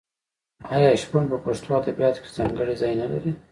آیا شپون په پښتو ادبیاتو کې ځانګړی ځای نلري؟